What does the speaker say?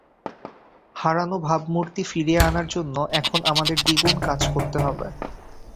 হারানো ভাবমূর্তি ফিরিয়ে আনার জন্য এখন আমাদের দ্বিগুণ কাজ করতে হবে।